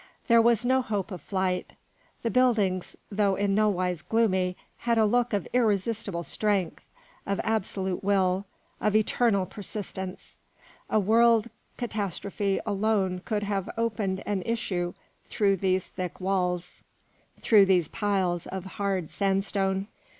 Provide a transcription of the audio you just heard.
There was no hope of flight. The buildings, though in no wise gloomy, had a look of irresistible strength, of absolute will, of eternal persistence: a world catastrophe alone could have opened an issue through these thick walls, through these piles of hard sandstone.